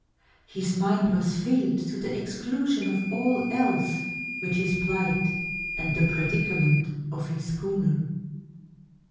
His mind was filled to the exclusion of all else with his plight and the predicament of his schooner.